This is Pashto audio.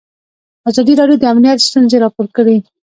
ازادي راډیو د امنیت ستونزې راپور کړي.